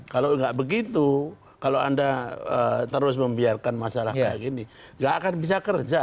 kalau nggak begitu kalau anda terus membiarkan masalah kayak gini nggak akan bisa kerja